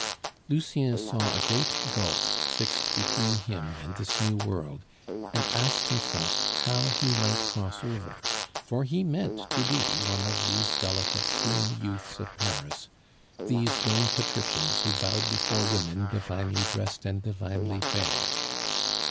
Lucien saw a great gulf fixed between him and this new world, and asked himself how he might cross over, for he meant to be one of these delicate, slim youths of Paris, these young patricians who bowed before women divinely dressed and divinely fair.